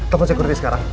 telepon security sekarang